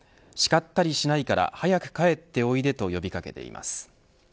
叱ったりしないから早く帰っておいでと呼び掛けています。